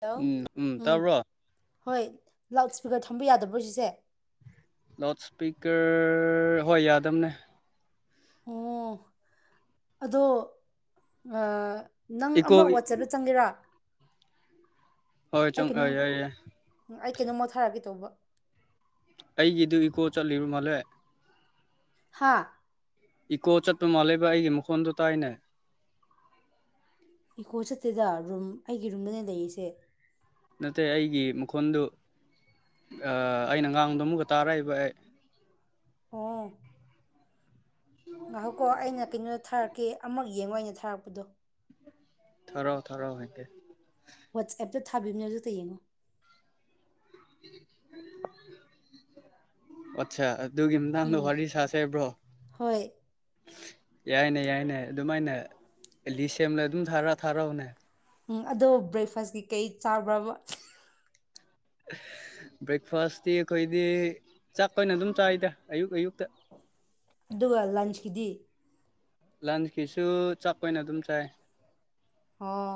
hello ꯎꯝ ꯎꯝ ꯇꯥꯕ꯭ꯔꯣ ꯍꯣꯏ ꯂꯥꯎꯠ ꯏꯁꯄꯤꯀꯔ ꯊꯝꯕ ꯌꯥꯗꯕ꯭ꯔꯣ ꯁꯤꯁꯦ ꯂꯥꯎꯠ ꯏꯁꯄꯤꯀꯔ ꯍꯣꯏ ꯌꯥꯗꯝꯅꯦ ꯎꯝ ꯑꯗꯣ ꯑꯥ ꯅꯪ ꯏꯀꯣ ꯑꯃ ꯋꯥꯆꯞꯇ ꯆꯪꯒꯦꯔꯥ ꯍꯣꯏ ꯆꯪ ꯑꯥ ꯌꯥ ꯌꯥꯏ ꯀꯩꯅꯣꯃꯣ ꯊꯥꯔꯛꯀꯦ ꯇꯧꯕ ꯑꯩꯒꯤꯗꯨ ꯏꯀꯣ ꯆꯠꯂꯤꯕ ꯃꯥꯜꯂꯦ ꯍꯥꯥ ꯏꯀꯣ ꯆꯠꯄ ꯃꯥꯜꯂꯦꯕ ꯑꯩꯒꯤ ꯃꯈꯣꯟꯗꯨ ꯇꯥꯏꯅꯦ ꯏꯀꯣ ꯆꯠꯇꯦꯗ ꯔꯨꯝ ꯑꯩꯒꯤ ꯔꯨꯝꯗꯅꯦ ꯂꯩꯔꯤꯁꯦ ꯅꯠꯇꯦ ꯑꯩꯒꯤ ꯃꯈꯣꯟꯗꯨ ꯑꯥ ꯑꯩꯅ ꯉꯥꯡꯕꯗꯣ ꯑꯃꯨꯛꯀ ꯇꯥꯔꯛꯏꯕ ꯑꯦ ꯑꯣ ꯉꯥꯏꯍꯧꯀꯣ ꯑꯩꯅ ꯀꯩꯅꯣꯗ ꯊꯥꯔꯛꯀꯦ ꯑꯃꯛ ꯌꯦꯡꯉꯣ ꯑꯩꯅ ꯊꯥꯔꯛꯄꯗꯣ ꯊꯔꯣ ꯊꯔꯣ ꯍꯥꯏꯗꯤ ꯋꯥꯆꯦꯞꯇ ꯊꯥꯕꯤꯕꯅꯦ ꯑꯗꯨꯇ ꯌꯦꯡꯉꯣ ꯑꯆꯥ ꯑꯗꯨꯒꯤ ꯃꯇꯥꯡꯗꯣ ꯎꯝ ꯋꯥꯔꯤ ꯁꯥꯁꯦꯕ꯭ꯔꯣ ꯍꯣꯏ ꯌꯥꯏꯅꯦ ꯌꯥꯏꯅꯦ ꯑꯗꯨꯃꯥꯏꯅ ꯂꯤ ꯁꯦꯝꯅ ꯑꯗꯨꯝ ꯊꯥꯔ ꯊꯥꯔꯛꯎꯅꯦ ꯎꯝ ꯑꯗꯣ ꯕ꯭ꯔꯦꯛꯐꯥꯁꯀꯤ ꯀꯩ ꯆꯥꯕ꯭ꯔꯕ [inaudible] ꯕ꯭ꯔꯦꯛꯐꯥꯁꯇꯤ ꯑꯩꯈꯣꯏꯗꯤ ꯆꯥꯛ ꯑꯣꯏꯅ ꯑꯗꯨꯝ ꯆꯥꯏꯗ ꯑꯌꯨꯛ ꯑꯌꯨꯛꯇ ꯑꯗꯨꯒ ꯂꯟꯁꯀꯤꯗꯤ ꯂꯟꯁꯀꯤꯁꯨ ꯆꯥꯛꯄ ꯑꯣꯏꯅ ꯑꯗꯨꯝ ꯆꯥꯏ ꯑꯣ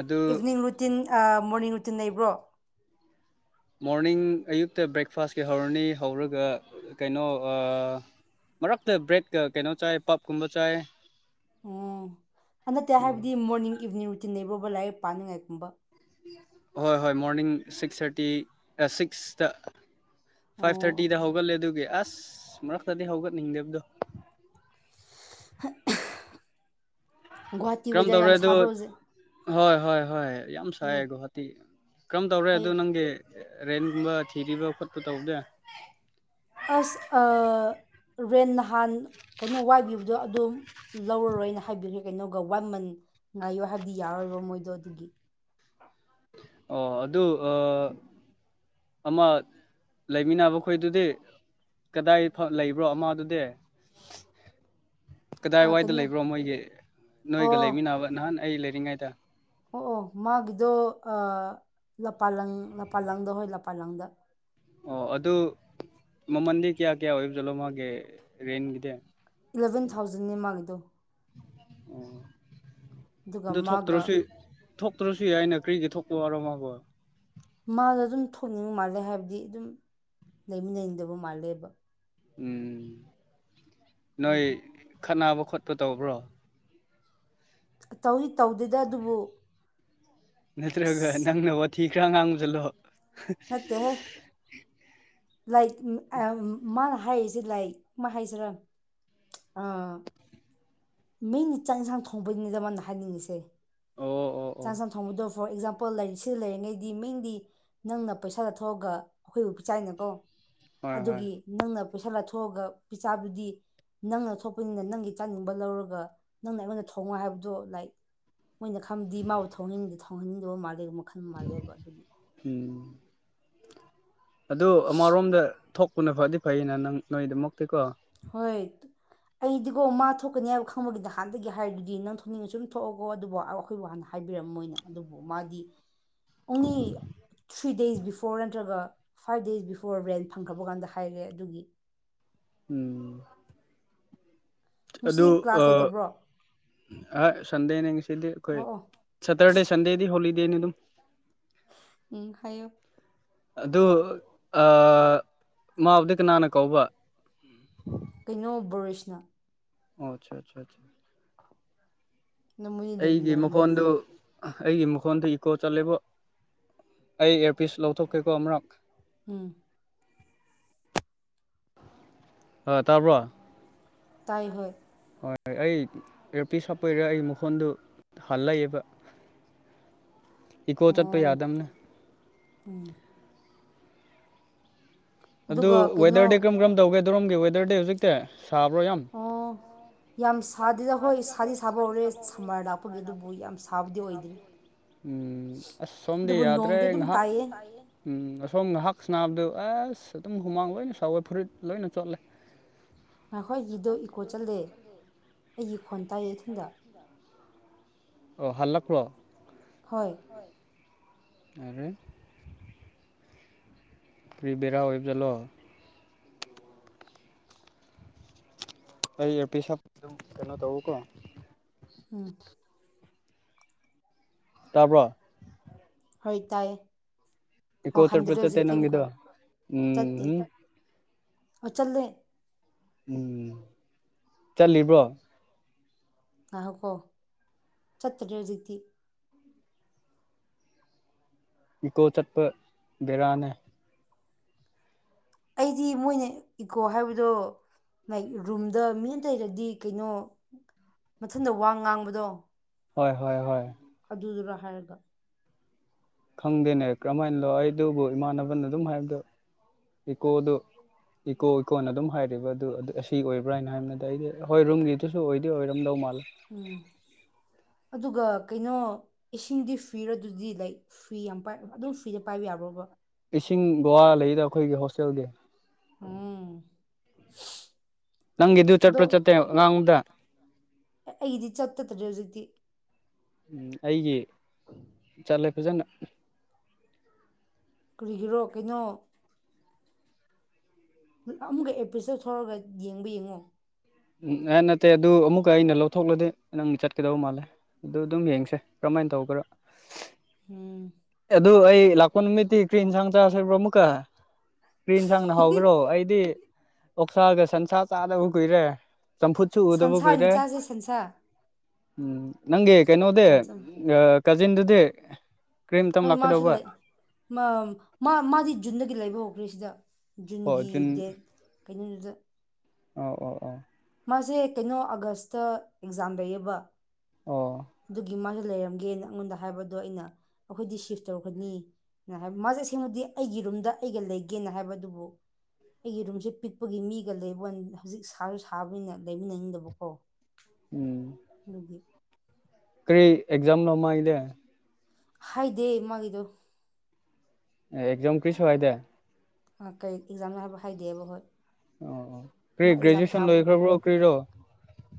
ꯑꯗꯨ ꯏꯚꯤꯅꯤꯡ ꯔꯨꯇꯤꯟ ꯃꯣꯔꯅꯤꯡ ꯔꯨꯇꯤꯟ ꯂꯩꯕ꯭ꯔꯣ ꯃꯣꯔꯅꯤꯡ ꯑꯌꯨꯛꯇ ꯕ꯭ꯔꯦꯛꯐꯥꯁꯀꯤ ꯍꯧꯔꯅꯤ ꯍꯧꯔꯒ ꯀꯩꯅꯣ ꯑꯥ ꯃꯔꯛꯇ ꯕ꯭ꯔꯦꯠꯀ ꯀꯩꯅꯣ ꯆꯥꯏ ꯄꯞꯀꯨꯝꯕ ꯆꯥꯏ ꯎꯝ ꯅꯠꯇꯦ ꯍꯥꯏꯕꯗꯤ ꯃꯣꯔꯅꯤꯡ ꯏꯚꯤꯅꯤꯡ ꯔꯨꯇꯤꯟ ꯂꯩꯕ꯭ꯔꯣꯕ ꯂꯥꯏꯔꯤꯛ ꯄꯥꯅꯤꯡꯉꯥꯏꯒꯨꯝꯕ ꯍꯣꯏ ꯍꯣꯏ ꯃꯣꯔꯅꯤꯡ ꯁꯤꯛꯁ ꯊꯥꯔꯇꯤ ꯁꯤꯛꯁꯇ ꯐꯥꯏꯚ ꯑꯣ ꯊꯥꯔꯇꯤꯗ ꯍꯧꯒꯠꯂꯦ ꯑꯗꯨꯒꯤ ꯑꯁ ꯃꯔꯛꯇꯗꯤ ꯍꯧꯒꯠꯅꯤꯡꯗꯕꯗꯣ [inaudible] ꯒꯨꯍꯥꯇꯤ ꯀꯔꯝ ꯋꯦꯗꯔ ꯇꯧꯔꯦ ꯌꯥꯝ ꯑꯗꯨ ꯁꯥꯕ꯭ꯔ ꯍꯧꯖꯤꯛ ꯍꯣꯏ ꯍꯣꯏ ꯍꯣꯏ ꯌꯥꯝ ꯁꯥꯏ ꯎꯝ ꯒꯨꯍꯥꯇꯤ ꯀꯔꯝ ꯇꯧꯔꯦ ꯑꯗꯨ ꯍꯥꯏꯌꯦ ꯅꯪꯒꯤ ꯔꯦꯟꯒꯨꯝꯕ ꯊꯤꯔꯤꯕ ꯈꯣꯠꯄ ꯇꯧꯕꯗꯦ ꯑꯁ ꯑꯥ ꯔꯦꯟ ꯅꯍꯥꯟ ꯀꯩꯅꯣ ꯋꯥꯏꯒꯤꯕꯗꯣ ꯑꯗꯨ ꯂꯧꯔꯔꯣꯏꯅ ꯍꯥꯏꯕꯤꯔꯦ ꯀꯩꯅꯣꯒ ꯋꯥꯟ ꯃꯟ ꯉꯥꯏꯌꯣ ꯍꯥꯏꯕꯗꯤ ꯌꯥꯔꯣꯏꯕ ꯃꯣꯏꯗꯣ ꯑꯗꯨꯒꯤ ꯑꯣ ꯑꯗꯨ ꯑꯥ ꯑꯃ ꯂꯩꯃꯤꯟꯅꯕ ꯈꯣꯏꯗꯨꯗꯤ ꯀꯗꯥꯏ ꯂꯩꯕ꯭ꯔꯣ ꯑꯃ ꯑꯗꯨꯗꯤ ꯑ, ꯀꯗꯥꯏꯋꯥꯏꯗ ꯀꯩꯅꯣ ꯂꯩꯕ꯭ꯔꯣ ꯃꯣꯏꯒꯤ ꯅꯣꯏꯒ ꯑꯣ ꯂꯩꯃꯤꯟꯅꯕ ꯅꯍꯥꯟ ꯑꯩ ꯂꯩꯔꯤꯉꯩꯗ ꯑꯣ ꯑꯣ ꯃꯥꯒꯤꯗꯣ ꯑꯥ ꯂꯄꯥ ꯂꯪ ꯂꯄꯥ ꯂꯥꯡꯗ ꯍꯣꯏ ꯂꯄꯥ ꯂꯥꯡꯗ ꯑꯣ ꯑꯗꯨ ꯃꯃꯟꯗꯤ ꯀꯌꯥ ꯀꯌꯥ ꯑꯣꯏꯕ ꯖꯥꯠꯂꯣ ꯃꯥꯒꯤꯗꯤ ꯔꯦꯟꯒꯤꯗꯤ ꯏꯂꯚꯦꯟ ꯊꯥꯎꯖꯟꯅꯦ ꯃꯥꯒꯤꯗꯣ ꯑꯣ ꯑꯗꯨꯒ ꯃꯥꯒ ꯊꯣꯛꯇ꯭ꯔꯁꯨ ꯌꯥꯏꯅ ꯀꯔꯤꯒꯤ ꯊꯣꯛꯄ ꯋꯥꯔꯣ ꯃꯥꯕꯣ ꯃꯥꯅ ꯑꯗꯨꯝ ꯊꯣꯛꯅꯤꯡꯕ ꯃꯥꯜꯂꯦ ꯍꯥꯏꯕꯗꯤ ꯑꯗꯨꯝ ꯂꯩꯃꯤꯟꯅꯅꯤꯡꯗꯕ ꯃꯥꯜꯂꯦꯕ ꯎꯝ ꯅꯣꯏ ꯑꯗꯨꯒꯤ ꯈꯠꯅꯕ ꯈꯣꯠꯄ ꯇꯧꯕ꯭ꯔꯣ ꯇꯧꯏ ꯇꯧꯗꯦꯗ ꯑꯗꯨꯕꯨ ꯅꯠꯇ꯭ꯔꯒ ꯑꯁ ꯅꯪꯅ ꯋꯥꯊꯤ ꯈꯔ ꯉꯥꯡꯕ ꯆꯠꯂꯣ ꯅꯠꯇꯦꯍꯦ ꯂꯥꯏꯛ ꯃꯅ ꯍꯥꯏꯁꯦ ꯂꯥꯏꯛ ꯀꯃꯥꯏ ꯍꯥꯏꯩꯁꯤꯔꯥ ꯑꯥ ꯃꯤꯅꯤ ꯆꯥꯛ ꯌꯦꯟꯁꯥꯡ ꯊꯣꯡꯕꯩꯅꯤꯗ ꯃꯥꯅ ꯍꯥꯏꯅꯤꯡꯉꯤꯁꯦ ꯑꯣ ꯑꯣ ꯆꯥꯛ ꯑꯣ ꯌꯦꯟꯁꯥꯡ ꯊꯣꯡꯕꯗꯣ ꯐꯣꯔ ꯑꯦꯛꯖꯥꯝꯄꯜꯔꯤ ꯁꯤꯗ ꯂꯩꯔꯤꯉꯩꯗꯤ ꯃꯤꯡꯗꯤ ꯅꯪꯅ ꯄꯩꯁꯥꯗ ꯊꯣꯛꯣꯛꯑꯒ ꯑꯩꯈꯣꯏꯕꯨ ꯄꯤꯆꯥꯏꯅꯀꯣ ꯍꯣꯏ ꯍꯣꯏ ꯑꯗꯨꯒꯤ ꯅꯪꯅ ꯄꯩꯁꯥ ꯂꯥꯊꯣꯛ ꯊꯣꯛꯑꯒ ꯄꯤꯆꯥꯗꯨꯗꯤ ꯅꯪꯅ ꯊꯣꯛꯄꯅꯤꯅ ꯅꯪꯒꯤ ꯆꯥꯅꯤꯡꯕ ꯂꯧꯔꯒ ꯑꯗꯨꯒ ꯅꯪꯅ ꯑꯩꯉꯣꯟꯗ ꯊꯧꯉ ꯍꯥꯏꯕꯗꯣ ꯂꯥꯏꯛ ꯃꯣꯏꯅ ꯈꯪꯕꯗꯤ ꯃꯥꯕꯨ ꯊꯍꯟꯅꯤꯡꯗ ꯊꯧꯍꯟꯅꯤꯡꯗꯕ ꯃꯥꯜꯂꯦ ꯃꯈꯜ ꯃꯥꯜꯂꯦꯕ ꯑꯗꯨꯅꯤ [inaudible] ꯑꯗꯨ ꯑꯃꯔꯣꯝꯗ ꯊꯣꯛꯄꯅ ꯐꯗꯤ ꯐꯩꯅ ꯅꯪ ꯅꯣꯏꯗꯃꯛꯇꯤꯀꯣ ꯍꯣꯏ ꯑꯩꯗꯤꯒꯣ ꯃꯥ ꯊꯣꯛꯀꯅꯤ ꯍꯥꯏꯕ ꯈꯪꯕꯒꯤꯗꯤ ꯅꯍꯥꯟꯅꯗꯒꯤ ꯍꯥꯏꯔꯤꯗꯨꯗꯤ ꯅꯪ ꯊꯣꯛꯅꯤꯡꯉ ꯁꯨꯝ ꯊꯣꯛꯂꯑꯒꯣ ꯑꯗꯨꯕꯨ ꯑꯩꯈꯣꯏꯕꯨ ꯍꯥꯟꯅ ꯍꯥꯏ ꯍꯥꯏꯕꯤꯔꯝ ꯃꯣꯏꯅ ꯑꯗꯨꯕꯨ ꯃꯥꯗꯤ ꯑꯣꯡꯂꯤ ꯊ꯭ꯔꯤ ꯗꯦꯖ ꯕꯤꯐꯣꯔ ꯅꯠꯇ꯭ꯔꯒ ꯐꯥꯏꯚ ꯗꯦꯁ ꯕꯤꯐꯣꯔ ꯔꯦꯟ ꯐꯪꯈ꯭ꯔꯕ ꯀꯥꯟꯗ ꯍꯥꯏꯈ꯭ꯔꯦ ꯑꯗꯨꯒꯤ ꯎꯝ ꯉꯁꯤ ꯑꯗꯨ ꯀ꯭ꯂꯥꯁ ꯑꯥ ꯂꯩꯇꯕ꯭ꯔꯣ ꯑ ꯁꯟꯗꯦꯅꯦ ꯉꯁꯤꯗꯤ ꯑꯩꯈꯣꯏ ꯑꯣ ꯑꯣ ꯁꯇꯔꯗꯦ ꯁꯟꯗꯦꯗꯤ ꯍꯣꯂꯤꯗꯦꯅꯤ ꯑꯗꯨꯝ ꯎ ꯍꯥꯏꯌꯣ ꯑꯗꯨ ꯃꯥꯕꯨꯗꯤ ꯀꯅꯥꯅ ꯀꯧꯕ ꯀꯩꯅꯣ ꯕꯣꯔꯤꯁꯅ ꯑꯣ ꯑꯆꯥ ꯑꯆꯥ ꯑ ꯅ ꯃꯣꯏꯅ ꯂꯩꯃꯤꯟꯅꯔꯤꯅꯦ ꯃꯈꯣꯟꯗꯨ ꯍꯧꯖꯤꯛ ꯑꯩꯒꯤ ꯃꯈꯣꯟꯗ ꯏꯀꯣ ꯆꯠꯂꯦꯕꯣ ꯑꯩ ꯏꯌꯥꯔꯄꯤꯁ ꯂꯧꯊꯣꯛꯀꯦꯀꯣ ꯑꯃꯛ ꯎꯝ ꯑ ꯇꯥꯔꯕ꯭ꯔꯣ ꯇꯥꯏ ꯍꯣꯏ ꯍꯣꯏ ꯍꯣꯏ ꯑꯩ ꯔꯣꯄꯤ ꯍꯥꯞꯄꯣꯏꯔꯥ ꯑꯩ ꯃꯈꯣꯟꯗꯨ ꯍꯜꯂꯛꯏꯕ ꯏꯀꯣ ꯆꯠꯄ ꯑꯣ ꯌꯥꯗꯝꯕꯅ ꯎꯝ ꯑꯗꯨ ꯑꯗꯨꯒ ꯀꯩꯅꯣ ꯋꯦꯗꯔꯗꯤ ꯀꯔꯝ ꯀꯔꯝ ꯇꯧꯒꯦꯗꯣꯔꯣꯝꯒꯤ ꯋꯦꯗꯔꯗꯤ ꯍꯧꯖꯤꯛꯇꯤ ꯁꯥꯕ꯭ꯔꯣ ꯌꯥꯝ ꯑꯣ ꯌꯥꯝ ꯁꯥꯗꯦꯗ ꯍꯣꯏ ꯁꯥꯗꯤ ꯁꯥꯕ ꯍꯧꯔꯦ ꯁꯝꯃꯔ ꯂꯥꯞꯄꯒꯤꯦ ꯑꯗꯨꯕꯨ ꯌꯥꯝ ꯁꯥꯕꯨꯗꯤ ꯑꯣꯏꯗ꯭ꯔꯤ ꯎꯝ ꯑꯁ ꯁꯣꯝꯗꯤ ꯑꯗꯨꯕꯨ ꯌꯥꯗ꯭ꯔꯦ ꯅꯣꯡꯗꯤ ꯑꯗꯨꯝ ꯉꯥꯏꯍꯥꯛ ꯇꯥꯏꯌꯦ ꯎꯝ ꯁꯣꯝꯗ ꯍꯛꯁ ꯅꯥꯕꯗꯨ ꯑꯁ ꯑꯗꯨꯝ ꯍꯨꯃꯥꯡ ꯂꯣꯏꯅ ꯁꯥꯎꯋꯦ ꯐꯨꯔꯤꯠ ꯂꯣꯏꯅ ꯆꯣꯠꯂꯦ ꯉꯈꯣꯏꯒꯤꯗꯣ ꯏꯀꯣ ꯆꯠꯂꯦ ꯑꯩꯒꯤ ꯈꯣꯟ ꯇꯥꯏꯌꯦ ꯏꯊꯟꯗ ꯑꯣ ꯍꯜ ꯂꯥꯛꯄꯣ ꯍꯣꯏ ꯑ ꯀ꯭ꯔꯤꯕꯦꯔꯥ ꯑꯣꯏꯕꯖꯂꯣ ꯑꯩ ꯑꯦꯄꯤ ꯁꯥꯞ ꯑꯗꯨꯝ ꯀꯩꯅꯣ ꯇꯧꯕꯀꯣ ꯎꯝ ꯇꯥꯕ꯭ꯔ ꯍ ꯇꯥꯏ ꯏ ꯀꯣ ꯆꯠ ꯄꯆꯠꯇꯦ ꯅꯪꯒꯗꯣꯎꯝ ꯆꯠꯇꯦ ꯎꯝ ꯑꯣ ꯆꯜꯂꯦ ꯎꯝ ꯆꯠꯂꯤꯕ꯭ꯔꯣ ꯉꯥꯏꯈꯣꯀꯣ ꯆꯠꯇꯦꯌꯖꯤꯇ ꯏꯀꯣ ꯆꯠꯄ ꯕꯦꯔꯥꯅꯦ ꯑꯩꯗꯤ ꯃꯣꯏꯅ ꯏꯒꯣ ꯍꯥꯏꯕꯗꯣ ꯔꯨꯝꯗ ꯃꯤ ꯑꯃꯇ ꯂꯩꯔꯗꯤ ꯀꯩꯅꯣ ꯃꯊꯟꯇ ꯋꯥ ꯉꯥꯡꯕꯗꯣ ꯍꯣꯏ ꯍꯣꯏ ꯍꯣꯏ ꯑꯗꯨꯗꯨꯔ ꯍꯥꯏꯔꯒ ꯈꯪꯗꯦꯅꯦ ꯀꯔꯝꯍ ꯍꯥꯏꯅ ꯂꯣ ꯑꯩꯗꯨꯕꯨ ꯏꯃꯥꯟꯅꯕꯅ ꯑꯗꯨꯝ ꯍꯥꯏꯕꯗꯨꯣ ꯏꯀꯣꯗꯨ ꯏꯀꯣ ꯏꯀꯣꯅ ꯑꯗꯨꯝ ꯍꯥꯏꯔꯤꯕ ꯑꯗꯨ ꯑꯁꯤ ꯑꯣꯏꯕ꯭ꯔꯥ ꯍꯥꯏꯅ ꯍꯥꯏꯕꯅꯗ ꯑꯩꯗꯤ ꯍꯣꯏ ꯔꯨꯝꯒꯤꯗꯨꯁꯨ ꯑꯣꯏꯗꯤ ꯑꯣꯏꯔꯝꯗꯧ ꯃꯥꯜꯂꯦ ꯎꯝ ꯑꯗꯨꯒ ꯀꯩꯅꯣ ꯏꯁꯤꯡꯗꯤ ꯐ꯭ꯔꯤ ꯑꯗꯨꯗꯤ ꯂꯩ ꯐ꯭ꯔꯤ ꯌꯥꯝ ꯄꯥꯏ ꯑꯗꯨꯝ ꯐ꯭ꯔꯤꯗ ꯄꯥꯏꯕ ꯌꯥꯔꯣꯕ ꯏꯁꯤꯡ ꯒꯣꯋꯥ ꯂꯩꯗ ꯑꯩꯈꯣꯏꯒꯤ ꯍꯣꯁꯇꯦꯜꯗꯤ ꯎꯝ ꯅꯪꯒꯤꯗꯨ ꯆꯠꯄ꯭ꯔꯥ ꯆꯠꯇꯦ ꯉꯥꯡꯉꯨꯗ ꯑꯦ ꯑꯩꯗꯤ ꯆꯠꯇꯗ꯭ꯔꯦ ꯍꯧꯖꯤꯛꯇꯤ ꯝ ꯑꯩꯒꯤ ꯆꯠꯂꯦ ꯐꯖꯅ ꯀꯔꯤꯒꯤꯔꯣ ꯀꯩꯅꯣ ꯑꯃꯨꯛꯀ ꯑꯦꯄ꯭ꯔꯤꯁꯇ ꯂꯧꯊꯣꯛꯂꯒ ꯌꯦꯡꯕ ꯌꯦꯡꯉꯣ ꯎꯝ ꯑꯦ ꯅꯠꯇꯦ ꯑꯗꯨ ꯑꯃꯨꯛꯀ ꯑꯩꯅ ꯂꯧꯊꯣꯛꯂꯗꯤ ꯅꯪꯒꯤ ꯆꯠꯀꯗꯧ ꯃꯥꯜꯂꯦ ꯑꯗꯨ ꯑꯗꯨꯝ ꯌꯦꯡꯁꯦ ꯁꯃꯥꯏꯅ ꯇꯧꯒ꯭ꯔ ꯎꯝ ꯑꯗꯨ ꯑꯩ ꯂꯥꯛꯄ ꯅꯨꯃꯤꯇꯤ ꯀ꯭ꯔꯤ ꯍꯤꯟꯁꯥꯡ ꯆꯥꯁꯦꯕꯔꯣ ꯑꯃꯨꯛꯀꯥ ꯄ꯭ꯔꯤ ꯍꯤꯟꯁꯥꯡꯅ ꯍꯥꯎꯒꯦꯔꯣ ꯑꯩꯗꯤ ꯑꯣꯛꯁꯥꯒ ꯁꯟꯁꯥ ꯆꯥꯗꯕ ꯀꯨꯏꯔꯦ ꯆꯝ ꯐꯨꯠꯁꯨꯨ ꯎꯗꯕꯨ ꯁꯟꯁꯥ ꯑꯣꯏꯅ ꯀꯨꯏꯔꯦ ꯆꯥꯁꯦ ꯁꯟꯁꯥ ꯎꯝ ꯅꯪꯒꯤ ꯀꯩꯅꯣꯗꯦ ꯁꯟꯁꯥ ꯀꯖꯤꯟꯗꯨꯗꯤ ꯍꯣꯏ ꯃꯥꯁꯨ ꯂꯩ ꯃꯥ ꯃꯥꯗꯤ ꯖꯨꯟꯗꯒꯤ ꯂꯩꯕ ꯍꯧꯈ꯭ꯔꯦ ꯁꯤꯗ ꯑꯣ ꯖꯨꯟꯒꯤ ꯖꯨꯟ ꯗꯦꯠ ꯀꯩꯅꯣꯗꯨꯗ ꯑꯣ ꯑꯣ ꯑꯣ ꯃꯥꯁꯦ ꯀꯩꯅꯣ ꯑꯥꯒꯁꯇ ꯑꯦꯛꯖꯥꯝ ꯂꯩꯌꯦꯕ ꯑꯣ ꯑꯗꯨꯒꯤ ꯃꯥꯁꯨ ꯂꯩꯔꯝꯒꯦꯅ ꯑꯩꯉꯣꯟꯗ ꯍꯥꯏꯕꯗꯣ ꯑꯩꯅ ꯑꯩꯈꯣꯏꯗꯤ ꯁꯤꯐ ꯇꯧꯒꯅꯤ ꯍꯥꯏꯕ ꯃꯥꯁꯦ ꯑꯁꯦꯡꯕꯗꯤ ꯑꯩꯒꯤ ꯔꯨꯝꯗ ꯑꯩꯒ ꯂꯩꯒꯦꯅ ꯍꯥꯏꯕ ꯑꯗꯨꯕꯨ ꯑꯩꯒꯤ ꯔꯨꯝꯁꯦ ꯄꯤꯛꯄꯒꯤ ꯃꯤꯒ ꯂꯩꯕ ꯍꯧꯖꯤꯛ ꯁꯥꯁ ꯁꯥꯕꯅꯤꯅ ꯂꯩꯃꯤꯟꯅꯅꯤꯡꯗꯕꯀꯣ ꯎꯝ ꯑꯗꯨꯒꯤ ꯀꯔꯤ ꯑꯦꯛꯖꯥꯝ ꯃꯥꯏꯗꯤ ꯍꯥꯏꯗꯦ ꯃꯥꯒꯤꯗꯣ ꯑꯦꯛꯖꯥꯝ ꯀꯔꯤꯁꯨ ꯍꯥꯏꯗꯦ ꯀꯩ ꯑꯦꯛꯖꯥꯝꯅꯣ ꯍꯥꯏꯕ ꯍꯥꯏꯗꯦꯕ ꯍꯣꯏ ꯑꯣ ꯑꯣ ꯃꯥ ꯀꯔꯤ ꯑꯦꯛꯖꯥꯝ ꯒ꯭ꯔꯦꯖꯨꯑꯦꯁꯟ ꯊꯥꯕ꯭ꯔꯣ ꯂꯣꯏꯈ꯭ꯔꯕ꯭ꯔꯣ ꯀꯔꯤꯔꯣ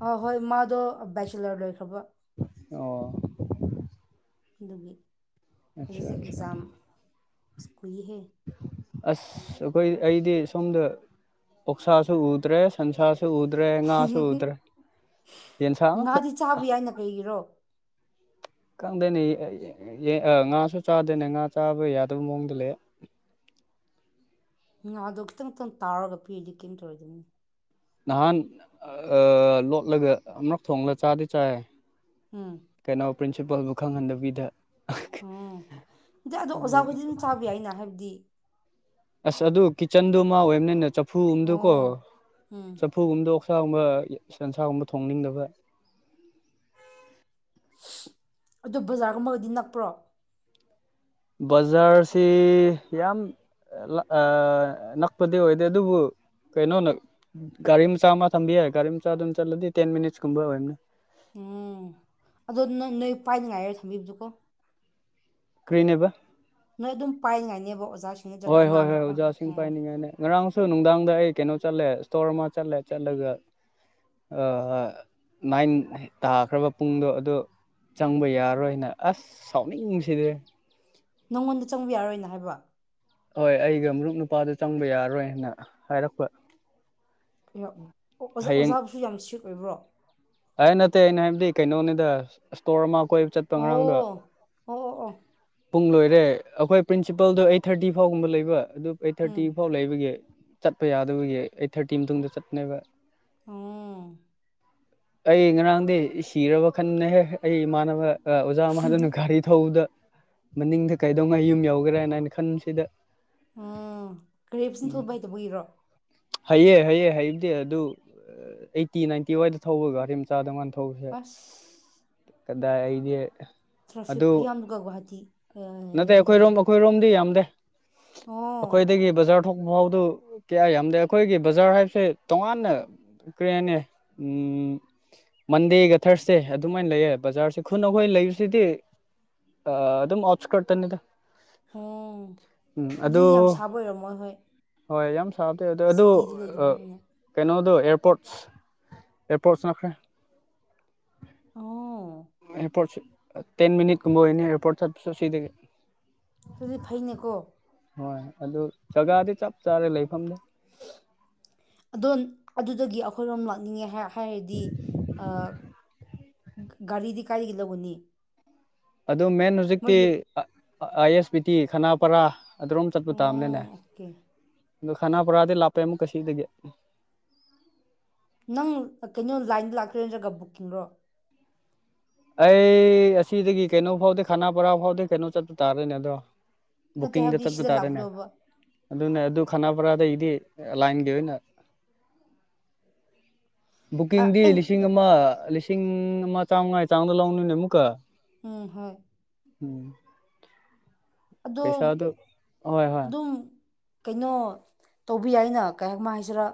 ꯑ ꯍꯣꯏ ꯃꯥ ꯑꯗꯣ ꯕꯦꯆꯤꯂꯔ ꯂꯣꯏꯈ꯭ꯔꯕ ꯑꯣ ꯑꯗꯨꯒꯤ ꯑꯠꯆꯥ ꯍꯧꯖꯤꯛꯁꯦ ꯑꯠꯆꯥ ꯑꯦꯛꯖꯥꯝ ꯑꯁ ꯀꯨꯏꯍꯦ ꯑꯁ ꯑꯩꯈꯣꯏ ꯑꯩꯗꯤ ꯁꯣꯝꯗ ꯑꯣꯛꯁꯥꯁꯨ ꯎꯗ꯭ꯔꯦ ꯁꯟꯁꯥ ꯁ ꯎꯗ꯭ꯔꯦ ꯉꯥꯁꯨ ꯎꯗ꯭ꯔꯦ ꯌꯦꯟ ꯁꯥ ꯉꯥꯗꯤ ꯆꯥꯕ ꯌꯥꯏꯅ ꯀꯩꯒꯤꯔꯣ ꯈꯪꯗꯦꯅꯦ ꯉꯥꯁꯨ ꯆꯥꯗꯦꯅꯦ ꯉꯥ ꯆꯥꯕ ꯌꯥꯗꯕ ꯃꯑꯣꯡꯗ ꯂꯩ [inaudible] ꯎꯝ ꯑꯗꯨ ꯈꯤꯛꯇꯪꯛꯇꯪ ꯇꯥꯎꯔꯒ ꯄꯤꯔꯤꯗꯤ ꯀꯩꯅꯝ ꯇꯧꯔꯣꯏꯗꯅꯤ ꯅꯍꯥꯟ ꯂꯣꯠꯂꯒ ꯑꯃꯨꯔꯛ ꯊꯣꯡꯂ ꯆꯥꯗꯤ ꯆꯥꯏ ꯎꯝ ꯀꯩꯅꯣ ꯄ꯭ꯔꯤꯟꯁꯤꯄꯜꯕꯨ ꯈꯪꯍꯟꯗꯕꯤꯗ ꯎꯝ ꯑꯗꯤ ꯑꯗꯣ ꯑꯗꯨ ꯑꯣꯖꯥꯕꯨꯗꯤ ꯑꯗꯨꯝ ꯆꯥꯕ ꯌꯥꯏꯅ ꯍꯥꯏꯕꯗꯤ ꯑꯁ ꯑꯗꯨ ꯀꯤꯠꯆꯟꯗꯨ ꯃꯥ ꯑꯣꯏꯕꯅꯤꯅ ꯆꯐꯨ ꯒꯨꯝꯗꯨꯀꯣ ꯑꯣ ꯎꯝ ꯆꯐꯨ ꯒꯨꯝꯗꯣ ꯁꯟꯁꯥꯒꯨꯝꯕ ꯁꯟꯁꯥꯒꯨꯝꯕ ꯊꯣꯡꯅꯤꯡꯗꯕ ꯑꯗꯨ ꯕꯖꯥꯔꯒꯨꯝꯕꯒꯗꯤ ꯅꯛꯄ꯭ꯔꯣ ꯕꯖꯥꯔꯁꯤ ꯌꯥꯝ ꯑ ꯅꯛꯄꯗꯤ ꯑꯣꯏꯗꯦ ꯑꯗꯨꯕꯨ ꯀꯩꯅꯣꯅ ꯒꯥꯔꯤ ꯃꯆꯥ ꯑꯃ ꯊꯝꯕꯤ ꯒꯥꯔꯤ ꯃꯆꯥ ꯑꯗꯨꯝ ꯆꯠꯂꯗꯤ ꯇꯦꯟ ꯃꯤꯅꯤꯠꯁ ꯀꯨꯝꯕ ꯑꯣꯏꯅꯤ ꯎꯝ ꯑꯗꯣ ꯅꯪ ꯅꯣꯏ ꯄꯥꯏꯅꯤꯡꯉꯥꯏꯔ ꯊꯝꯕꯤꯕꯗꯨꯀꯣ ꯀꯔꯤꯅꯦꯕ ꯅꯣꯏ ꯑꯗꯨꯝ ꯄꯥꯏꯉꯥꯏꯅꯦꯕ ꯑꯣꯖ ꯍꯣꯏ ꯍꯣꯏ ꯍꯣꯏ ꯑꯣꯖꯥꯁꯤꯡ ꯄꯥꯏꯅꯤꯡꯉꯥꯏꯅꯤ ꯉꯔꯥꯡꯁꯨ ꯅꯨꯡꯗꯥꯡꯗ ꯑꯩ ꯀꯩꯅꯣ ꯆꯠꯂꯦ ꯏꯁꯇꯣꯔ ꯃꯥ ꯆꯠꯂꯦ ꯆꯠꯂꯒ ꯑꯥ ꯅꯥꯏꯟ ꯇꯥꯈ꯭ꯔꯕ ꯄꯨꯡꯗꯣ ꯑꯗꯨ ꯆꯪꯕ ꯌꯥꯔꯣꯏꯅ ꯑꯁ ꯁꯥꯎꯅꯤꯡꯁꯤꯗꯤ ꯅꯪꯉꯣꯟꯗ ꯆꯪꯕ ꯌꯥꯔꯣꯏꯅ ꯍꯥꯏꯕ ꯍꯣꯏ ꯑꯩꯒ ꯃꯔꯨꯞ ꯅꯨꯄꯥꯗ ꯆꯪꯕ ꯌꯥꯔꯣꯏꯅ ꯍꯥꯏꯔꯛꯄ ꯑꯣꯖꯥ ꯍꯌꯦꯡ ꯑꯣꯖꯥꯕꯨꯁꯨ ꯌꯥꯝ ꯁꯋꯤꯠ ꯑꯣꯏꯕ꯭ꯔꯣ ꯑꯩ ꯅꯠꯇꯦ ꯑꯩꯅ ꯍꯥꯏꯕꯗꯤ ꯀꯩꯅꯣꯅꯤꯗ ꯏꯁꯇꯣꯔ ꯑꯃ ꯀꯣꯏꯕ ꯆꯠꯄ ꯉꯔꯥꯡꯗ ꯑꯣ ꯑꯣ ꯑꯣ ꯑꯣ ꯄꯨꯡ ꯂꯣꯏꯔꯦ ꯑꯩꯈꯣꯏ ꯄ꯭ꯔꯤꯟꯁꯤꯄꯜꯗꯣ ꯑꯩꯠ ꯊꯥꯔꯇꯤ ꯐꯥꯎꯒꯨꯝꯕ ꯂꯩꯕ ꯑꯗꯨ ꯑꯩꯠ ꯊꯥꯔꯇꯤ ꯎꯝ ꯐꯥꯎ ꯂꯩꯕꯒꯤ ꯆꯠꯄ ꯌꯥꯗꯕꯒꯤ ꯑꯩꯠ ꯊꯥꯔꯇꯤ ꯃꯇꯨꯡꯗ ꯆꯠꯄꯅꯦꯕ ꯑꯝ ꯑꯩ ꯉꯔꯥꯡꯗꯤ ꯁꯤꯔꯕ ꯈꯟꯅꯍꯦꯛ ꯑꯩ ꯏꯃꯥꯟꯅꯕ ꯑꯣꯖꯥ ꯃꯥꯟꯅꯅ ꯒꯥꯔꯤ ꯊꯧꯕꯗ ꯃꯅꯤꯡꯗ ꯀꯩꯗꯧꯉꯥꯏ ꯌꯨꯝ ꯌꯧꯈ꯭ꯔꯦꯅ ꯍꯥꯏꯅ ꯈꯟꯕꯁꯤꯗ ꯎꯝ ꯀꯔꯦꯞ ꯁꯤꯟ ꯊꯧꯕ ꯍꯥꯏꯗꯕꯨ ꯏꯔꯣ ꯍꯩꯌꯦ ꯍꯥꯏꯑ ꯍꯥꯏꯨꯗꯤ ꯑꯗꯨ ꯑꯩꯠꯇꯤ ꯅꯥꯏꯟꯇꯤ ꯋꯥꯏꯗ ꯊꯧꯕꯒ ꯒꯔꯤ ꯃꯆꯥꯗꯣ ꯊꯧꯁꯦ ꯑꯁ ꯀꯗꯥꯏ ꯑꯩꯗꯤ ꯇ꯭ꯔꯥꯐꯤꯛꯁꯨ ꯑꯗꯨ ꯈꯨꯌꯥꯝꯗꯨꯒ ꯒꯨꯍꯥꯇꯤ ꯅꯠꯇꯦ ꯑꯩꯈꯣꯏꯔꯣꯝ ꯑꯩꯈꯣꯏꯔꯣꯝꯗꯤ ꯌꯥꯝꯗꯦ ꯑꯣ ꯑꯩꯈꯣꯏꯗꯒꯤ ꯕꯖꯥꯔ ꯊꯣꯛꯄ ꯐꯥꯎꯗꯨ ꯀꯌꯥ ꯌꯥꯝꯗꯦ ꯑꯩꯈꯣꯏꯒꯤ ꯕꯖꯥꯔ ꯍꯥꯏꯕꯁꯦ ꯇꯣꯉꯥꯟꯅ ꯀꯔꯤ ꯍꯥꯏꯅꯤ ꯎꯝ ꯃꯟꯗꯦꯒ ꯊꯥꯔꯁꯗꯦ ꯑꯗꯨꯃꯥꯏꯅ ꯂꯩꯌꯦ ꯕꯖꯥꯔꯁꯦ ꯈꯨꯟ ꯑꯩꯈꯣꯏ ꯂꯩꯕꯁꯤꯗꯤ ꯑ ꯑꯗꯨꯝ ꯑꯣꯁꯀꯔ ꯇꯅꯤꯗ ꯑꯣꯝ ꯑꯗꯨꯗꯤ ꯌꯥꯝ ꯁꯥꯕ ꯑꯣꯏꯔꯝꯃꯣꯏ ꯍꯣꯏ ꯍꯣꯏ ꯌꯥꯝ ꯁꯥꯕꯗꯤ ꯑꯗꯣ ꯑꯗꯨ ꯁꯤꯇꯤꯗ ꯂꯩꯇꯕꯅꯤꯅ ꯀꯩꯅꯣꯗꯣ ꯑꯦꯌꯔꯄꯣꯔꯠꯁ ꯑꯦꯔꯄꯣꯔꯠꯁ ꯅꯈ꯭ꯔꯦ ꯑꯣ ꯑꯦꯌꯥꯔꯄꯣꯔꯠ ꯇꯦꯟ ꯃꯤꯅꯤꯠꯀꯨꯝꯕ ꯑꯣꯏꯅꯤ ꯑꯦꯌꯥꯔꯄꯣꯔꯠ ꯆꯠꯄꯁꯨ ꯁꯤꯗꯒꯤꯦ ꯑꯗꯨꯗꯤ ꯐꯩꯅꯦꯀꯣ ꯍꯣꯏ ꯑꯗꯨ ꯖꯒꯥꯗꯤ ꯆꯞ ꯆꯥꯔꯦ ꯂꯩꯐꯝꯗ ꯑꯗꯣ ꯑꯗꯨꯗꯒꯤ ꯑꯩꯈꯣꯏꯔꯣꯝ ꯂꯥꯛꯅꯤꯡꯉꯦ ꯍꯥꯏꯔꯗꯤ ꯒꯥꯔꯤꯗꯤ ꯀꯥꯏꯔꯒꯂꯒꯅꯤ ꯑꯗꯨ ꯃꯦꯟ ꯍꯧꯨꯖꯤꯛꯇꯤ ꯑꯥꯏ ꯑꯦꯁ ꯕꯤ ꯇꯤ ꯈꯅꯥꯄꯔꯥ ꯑꯗꯨꯔꯣꯝ ꯆꯠꯄ ꯇꯥꯕꯅꯤꯅꯦ ꯑꯣꯀꯦ ꯑꯗꯣ ꯈꯅꯥꯄꯔꯥꯗꯤ ꯂꯥꯛꯞꯄꯦ ꯑꯃꯨꯛ ꯀꯁꯤꯗꯒꯤ ꯁꯤꯂꯤꯟꯗꯔꯒ ꯕꯨꯛꯀꯤꯡꯔꯣ ꯑꯩ ꯑꯁꯤꯗꯒꯤ ꯀꯩꯅꯣ ꯐꯥꯎꯗꯤ ꯈꯥꯅꯥ ꯄꯔꯥ ꯐꯥꯎꯗꯤ ꯀꯩꯅꯣ ꯆꯠꯄ ꯇꯥꯔꯣꯏꯅꯦ ꯑꯗꯣ ꯅꯠꯇꯦ ꯕꯨꯀꯤꯡꯗ ꯍꯥꯏꯕꯗꯤ ꯆꯠꯕ ꯁꯤꯗ ꯇꯥꯔꯦꯅꯦ ꯂꯥꯛꯄꯗꯧꯕ ꯑꯗꯨꯅ ꯑꯗꯨ ꯈꯅꯥꯄꯔꯥꯗꯗꯤ ꯂꯥꯏꯟꯒꯤ ꯑꯣꯏꯅ ꯑ, ꯕꯨꯛꯀꯤꯡꯗꯤ ꯑꯩ ꯂꯤꯁꯤꯡ ꯑꯃ ꯂꯤꯁꯤꯡ ꯑꯃ ꯆꯥꯝꯃꯉꯥꯒꯤ ꯆꯥꯡꯗ ꯂꯧꯅꯣꯏꯅꯦ ꯑꯃꯨꯛꯀ ꯎꯝ ꯍꯣꯏ ꯎꯝ ꯑꯗꯣ ꯄꯩꯁꯥꯗꯨ ꯍꯣꯏ ꯍꯣꯏ ꯑꯗꯨꯝ ꯀꯩꯅꯣ ꯇꯧꯕ ꯌꯥꯏꯅ ꯀꯩꯃ ꯍꯥꯏꯁꯤꯔꯥ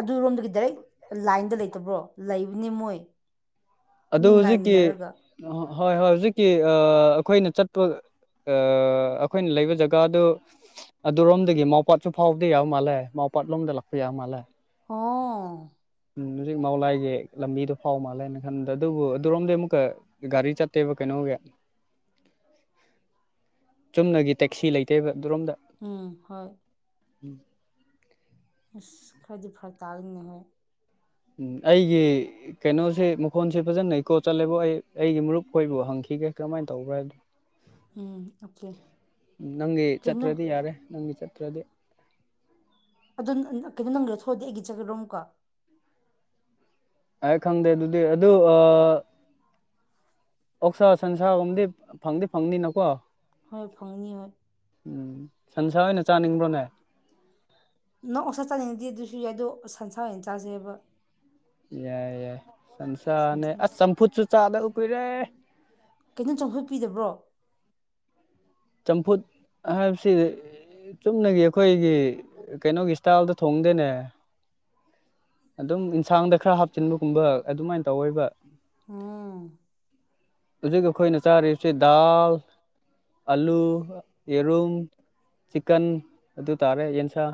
ꯑꯗꯨꯔꯣꯝꯗꯒꯤ ꯗꯥꯏꯔꯦꯛ ꯂꯥꯏꯟꯗ ꯂꯩꯇꯕ꯭ꯔꯣ ꯂꯩꯕꯅꯤ ꯃꯣꯏ ꯑꯗꯨ ꯃꯤ ꯍꯧꯖꯤꯛꯀꯤ ꯉꯥꯏꯃꯤꯟꯅꯔꯒ ꯍꯣꯏ ꯍꯣꯏ ꯍꯧꯖꯤꯛꯀꯤ ꯑꯩꯈꯣꯏꯅ ꯆꯠꯄ ꯑꯩꯈꯣꯏꯅ ꯂꯩꯕ ꯖꯒꯥꯗꯨ ꯑꯗꯨꯔꯣꯝꯗꯒꯤ ꯃꯥꯎꯄꯥꯠꯁꯨ ꯐꯥꯎꯕꯗ ꯌꯥꯕ ꯃꯥꯜꯂꯦ ꯀꯣꯄꯥꯠꯂꯣꯗ ꯂꯥꯛꯄ ꯌꯥ ꯃꯥꯜꯂꯦ ꯑꯣ ꯍꯧꯖꯤꯛ ꯃꯥꯂꯥꯏꯒꯤ ꯂꯝꯕꯤꯗꯣ ꯐꯥꯎ ꯃꯥꯜꯂꯦ ꯅꯪ ꯏꯟꯗ ꯑꯗꯨꯕꯨ ꯑꯗꯨꯔꯣꯝꯗꯤ ꯑꯃꯨꯛꯀ ꯒꯥꯔꯤ ꯆꯠꯇꯦꯕ ꯀꯩꯅꯣꯒꯤ ꯆꯨꯝꯅꯒꯤ ꯇꯦꯛꯁꯤ ꯂꯩꯇꯦꯕ ꯑꯗꯨꯔꯣꯝꯗ ꯎꯝ ꯍꯣꯏ [inaudible] ꯏꯁ ꯈꯗꯤ ꯐꯔꯛ ꯇꯥꯒꯅꯤꯍꯦ ꯎꯝ ꯑꯩꯒꯤ ꯀꯩꯅꯣꯁꯦ ꯃꯈꯣꯟꯁꯦ ꯐꯖꯅ ꯏꯀꯣ ꯆꯠꯂꯦꯕ ꯑꯩ ꯑꯩꯒꯤ ꯃꯔꯨꯞ ꯈꯣꯏꯕꯨ ꯍꯪꯈꯤ ꯊꯤꯒꯦ ꯀꯃꯥꯏꯅ ꯇꯧꯕ꯭ꯔꯥ ꯍꯥꯏꯗꯣ ꯎꯝ ꯑꯣꯀꯦ ꯅꯪꯒꯤ ꯀꯩꯅꯣ ꯆꯠꯇ꯭ꯔꯗꯤ ꯌꯥꯔꯦ ꯅꯪꯒꯤ ꯆꯠꯠꯇ꯭ꯔꯗꯤ ꯑꯗꯨ ꯀꯩꯅꯣ ꯅꯪꯒꯗ ꯊꯣꯛꯑꯗꯤ ꯑꯩꯒꯤ ꯆꯠꯒꯔꯣꯝꯀꯣ ꯑꯩ ꯈꯪꯗꯦ ꯑꯗꯨꯗꯤ ꯑꯗꯨ ꯑ ꯑꯣꯁꯥ ꯁꯟꯁꯥꯒꯝꯗꯤ ꯐꯪꯗꯤ ꯐꯪꯅꯤꯅꯀꯣ ꯍꯣꯏ ꯐꯪꯅꯤ ꯍꯣꯏ ꯎꯝ ꯁꯟꯁꯥ ꯑꯣꯏꯅ ꯆꯥꯅꯤꯡꯕ꯭ꯔꯣ ꯉꯥꯏ ꯅꯪ ꯑꯣꯁꯥ ꯆꯥꯅꯤꯡꯉꯗꯤ ꯑꯗꯨꯁꯨ ꯌꯥꯏ ꯑꯗꯣ ꯁꯟꯁꯥ ꯑꯣꯏꯅ ꯆꯥꯥꯁꯦꯑꯕ ꯌꯥꯏ ꯌꯥꯏ ꯁꯝꯁꯥꯅꯦ ꯁꯟꯁꯥ ꯑꯁ ꯆꯝꯐꯨꯠꯁꯨ ꯆꯥꯗꯕ ꯀꯨꯏꯔꯦ ꯀꯩꯅꯣ ꯆꯝꯐꯨꯠ ꯄꯤꯗꯕ꯭ꯔꯣ ꯆꯝꯐꯨꯠ ꯍꯥꯏꯕꯁꯤ ꯆꯨꯝꯅꯒꯤ ꯑꯩꯈꯣꯏꯒꯤ ꯀꯩꯅꯣꯒꯤ ꯏꯁꯇꯥꯏꯜꯗ ꯊꯣꯡꯗꯣꯏꯅꯦ ꯑꯗꯨꯝ ꯌꯦꯟꯁꯥꯡꯗ ꯈꯔ ꯍꯥꯞꯆꯤꯟꯕꯒꯨꯝꯕ ꯑꯗꯨꯃꯥꯏꯅ ꯇꯧꯋꯣꯏꯕ ꯎꯝ ꯍꯧꯖꯤꯛ ꯑꯩꯈꯣꯏꯅ ꯆꯥꯔꯤꯁꯦ ꯗꯥ ꯜ ꯑꯂꯨ ꯌꯦꯔꯨꯝ ꯆꯤꯀꯟ ꯑꯗꯨ ꯇꯥꯔꯦ ꯌꯦꯟꯁꯥ